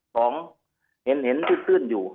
ของเห็นตื้นอยู่